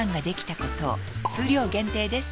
数量限定です